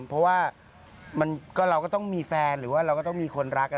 เพราะว่าเราก็ต้องมีแฟนหรือว่าเราก็ต้องมีคนรัก